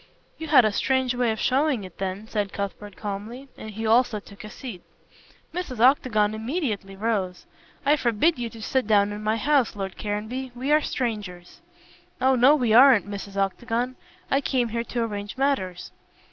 "You had a strange way of showing it then," said Cuthbert, calmly, and he also took a seat. Mrs. Octagon immediately rose. "I forbid you to sit down in my house, Lord Caranby. We are strangers." "Oh, no, we aren't, Mrs. Octagon. I came here to arrange matters."